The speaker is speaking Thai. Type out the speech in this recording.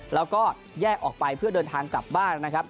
แล้วก็แยกออกไปเพื่อเดินทางกลับบ้านนะครับ